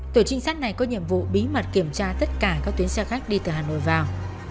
tổ trinh sát này có nhiệm vụ bí mật kiểm tra tất cả các tuyến xe khách đi từ hà nội vào